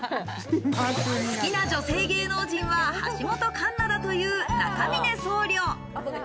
好きな女性芸能人は、橋本環奈だという中峰僧侶。